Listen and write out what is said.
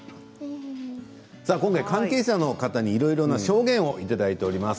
関係者の方にいろいろな証言をいただいております。